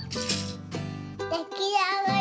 できあがり！